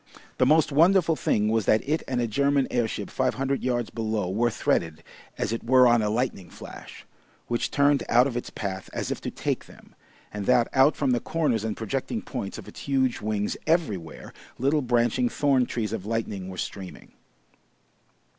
The most wonderful thing was that it and a German airship five hundred yards below were threaded as it were on the lightning flash, which turned out of its path as if to take them, and, that out from the corners and projecting points of its huge wings everywhere, little branching thorn trees of lightning were streaming.